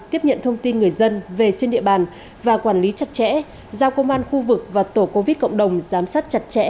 tiếp nhận thông tin người dân về trên địa bàn và quản lý chặt chẽ giao công an khu vực và tổ covid cộng đồng giám sát chặt chẽ